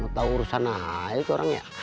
tau urusan aja itu orangnya